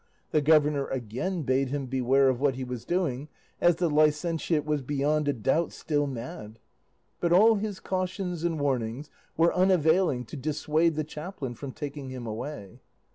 The governor again bade him beware of what he was doing, as the licentiate was beyond a doubt still mad; but all his cautions and warnings were unavailing to dissuade the chaplain from taking him away.